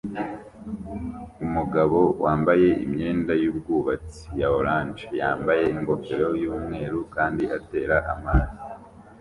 Umugabo wambaye imyenda yubwubatsi ya orange yambaye ingofero yumweru kandi atera amazi